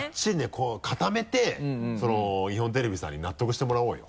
こう固めて日本テレビさんに納得してもらおうよ。